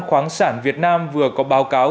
khoáng sản việt nam vừa có báo cáo